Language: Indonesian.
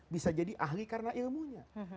bisa jadi ahli karena ilmunya